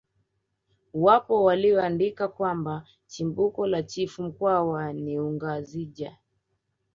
Wapo walioandika kwamba chimbuko la chifu mkwawa ni ungazija